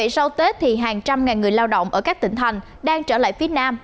sau tết hàng trăm ngàn người lao động ở các tỉnh thành đang trở lại việt nam